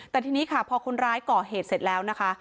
แต่ทีนี้ค่ะพอคนร้ายก่อเหตุเสร็จแล้วนะคะ